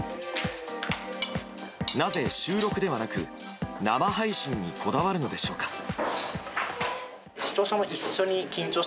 なぜ、収録ではなく生配信にこだわるのでしょうか。